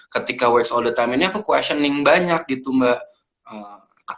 ketika waste all the time ini aku questioning banyak gitu mbak